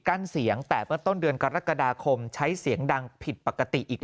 เสียงแต่เมื่อต้นเดือนกรกฎาคมใช้เสียงดังผิดปกติอีก